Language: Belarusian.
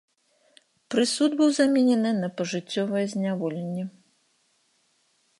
Прысуд быў заменены на пажыццёвае зняволенне.